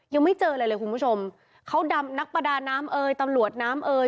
ยังไม่เจออะไรเลยคุณผู้ชมเขาดำนักประดาน้ำเอยตำรวจน้ำเอย